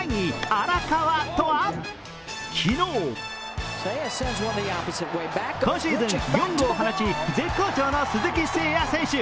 昨日、今シーズン４号を放ち絶好調の鈴木誠也選手。